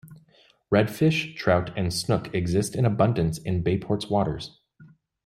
Redfish, trout and snook exist in abundance in Bayport's waters.